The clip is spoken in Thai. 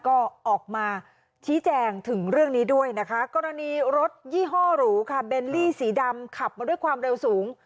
ก็ออกมาชี้แจงถึงเรื่องนี้ด้วยนะคะกรณีรถยี่ห้อหรูค่ะเบลลี่สีดำขับมาด้วยความเร็วสูง